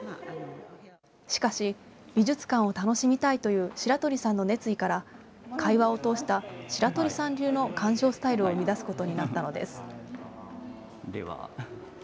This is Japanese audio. しかし、美術館を楽しみたいという白鳥さんの熱意から、会話を通した白鳥さん流の鑑賞スタイルを生み出すことになったのです。